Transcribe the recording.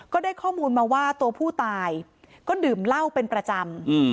ก็ได้ข้อมูลมาว่าตัวผู้ตายก็ดื่มเหล้าเป็นประจำ